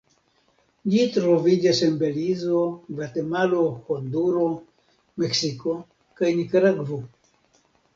Ĝi troviĝas en Belizo, Gvatemalo, Honduro, Meksiko kaj Nikaragvo.